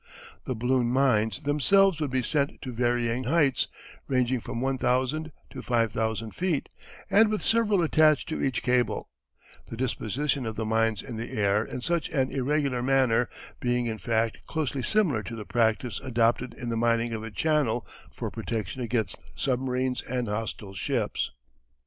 The balloon mines themselves would be sent to varying heights, ranging from 1,000 to 5,000 feet, and with several attached to each cable, the disposition of the mines in the air in such an irregular manner being in fact closely similar to the practice adopted in the mining of a channel for protection against submarines and hostile ships.